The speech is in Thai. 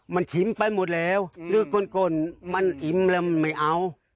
มันชิมไปหมดแล้วฝาว่าด้านนั้นลงมันอิ่มไม่เอา